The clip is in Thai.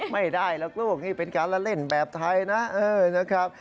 ไม่ได้หรอกลูกนี่เป็นการละเล่นแบบไทยนะนะครับ